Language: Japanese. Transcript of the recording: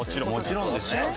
もちろんです。